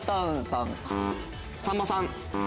さんまさん。